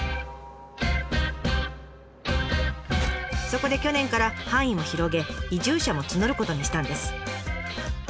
そこで去年から範囲を広げ移住者も募ることにしたんです。